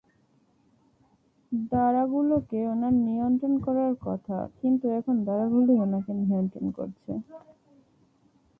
দাঁড়াগুলোকে ওনার নিয়ন্ত্রণ করার কথা, কিন্তু এখন দাঁড়াগুলোই ওনাকে নিয়ন্ত্রণ করছে।